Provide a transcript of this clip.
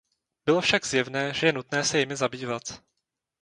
Bylo však zjevné, že je nutné se jimi zabývat.